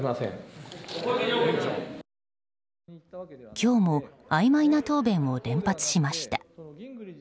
今日もあいまいな答弁を連発しました。